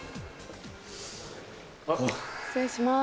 失礼します。